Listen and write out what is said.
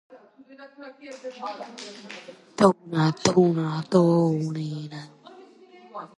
სიცოცხლის ბოლო წლებში ოტია პაჭკორიამ ჟურნალებში გამოაქვეყნა მოთხრობები, რომლებიც ინტელექტუალური პროზის ნიმუშებია.